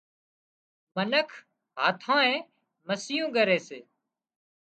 منک هاٿانئي مسيون ڳري سي